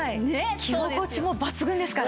着心地も抜群ですから。